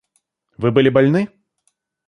Вы были больны?